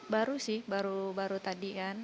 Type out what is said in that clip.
baru sih baru baru tadi kan